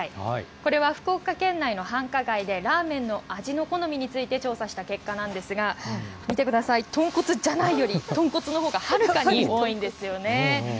これは福岡県内の繁華街で、ラーメンの味の好みについて調査した結果なんですが、見てください、豚骨じゃないより、豚骨のほうがはるかに多いんですよね。